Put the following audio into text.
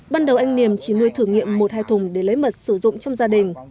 ban đầu anh niềm chỉ nuôi thử nghiệm một hai thùng để lấy mật sử dụng trong gia đình